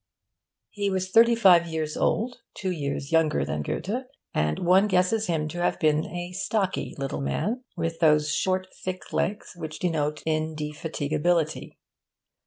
He was thirty five years old (two years younger than Goethe), and one guesses him to have been a stocky little man, with those short thick legs which denote indefatigability.